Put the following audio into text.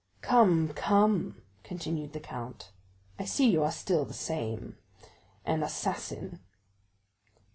"Come, come," continued the count, "I see you are still the same,—an assassin."